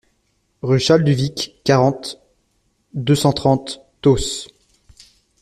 Rue Charles Duvicq, quarante, deux cent trente Tosse